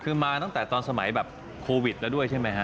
คือมาตั้งแต่ตอนสมัยแบบโควิดแล้วด้วยใช่ไหมฮะ